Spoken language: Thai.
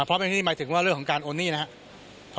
เพราะเป็นหนี้หมายถึงว่าเรื่องของการโอนหนี้นะครับ